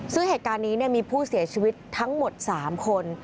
ซึ่งเหตุการณ์นี้มีผู้เสียชีวิตทั้งหมด๓คน